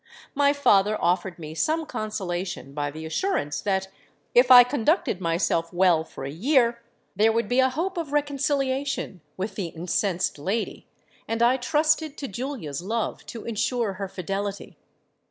My father offered me some consolation by the assurance that if I conducted myself well for a year, there would be a hope of reconciliation with the incensed lady; and I trusted to Julia's love to ensure her fidelity.